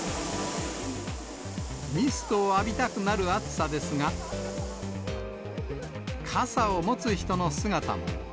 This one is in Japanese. ミストを浴びたくなる暑さですが、傘を持つ人の姿も。